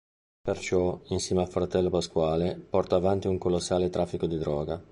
Perciò, insieme al fratello Pasquale, porta avanti un colossale traffico di droga.